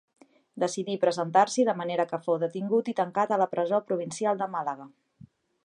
Decidí presentar-s'hi, de manera que fou detingut i tancat a la Presó Provincial de Màlaga.